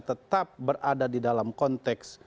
tetap berada di dalam konteks